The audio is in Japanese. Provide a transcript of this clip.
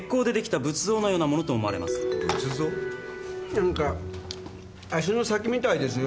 何か足の先みたいですよ。